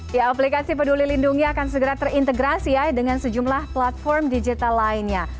ya aplikasi peduli lindungi akan segera terintegrasi ya dengan sejumlah platform digital lainnya